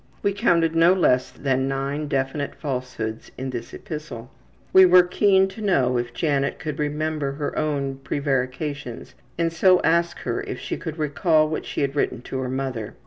We counted no less than nine definite falsehoods in this epistle. We were keen to know if Janet could remember her own prevarications and so asked her if she could recall what she had written to her mother.